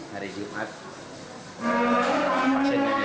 hari jumat pasiennya hanya enam